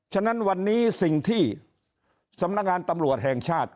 ฉะนั้นวันนี้สิ่งที่สำนักงานตำรวจแห่งชาติ